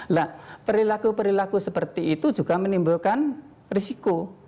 nah perilaku perilaku seperti itu juga menimbulkan risiko